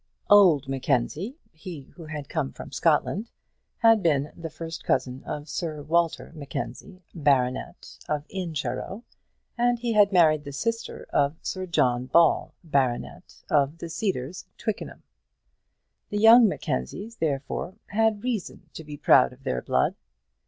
Old Mackenzie, he who had come from Scotland, had been the first cousin of Sir Walter Mackenzie, baronet, of Incharrow, and he had married the sister of Sir John Ball, baronet, of the Cedars, Twickenham. The young Mackenzies, therefore, had reason to be proud of their blood.